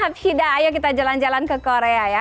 tidak ayo kita jalan jalan ke korea ya